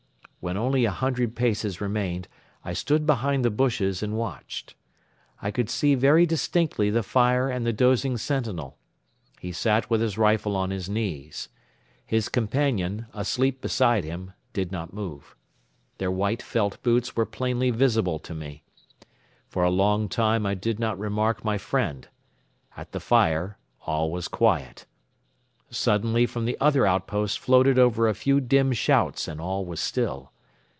When only a hundred paces remained, I stood behind the bushes and watched. I could see very distinctly the fire and the dozing sentinel. He sat with his rifle on his knees. His companion, asleep beside him, did not move. Their white felt boots were plainly visible to me. For a long time I did not remark my friend. At the fire all was quiet. Suddenly from the other outpost floated over a few dim shouts and all was still.